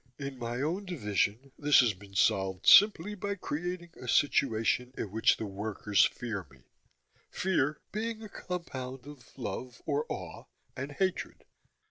In my own division this has been solved simply by creating a situation in which the workers fear me fear being a compound of love, or awe, and hatred.